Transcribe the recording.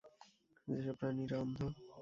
যেসব প্রাণীরা অন্ধ?